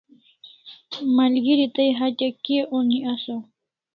Malgeri tai hatya kia oni asaw